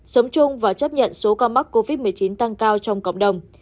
sống chung và chấp nhận số ca mắc covid một mươi chín tăng cao trong cộng đồng